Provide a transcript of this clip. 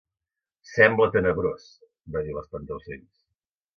"Sembla tenebrós", va dir l'Espantaocells.